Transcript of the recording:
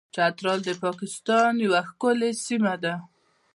چترال د پاکستان یوه ښکلې سیمه ده.